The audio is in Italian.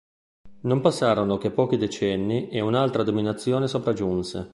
Non passarono che pochi decenni e un'altra dominazione sopraggiunse.